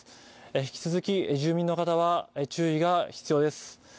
引き続き、住民の方は注意が必要です。